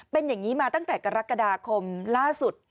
เป็นอย่างนี้มาตั้งแต่กรกฎาคมล่าสุด